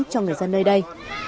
cho người dân nơi đây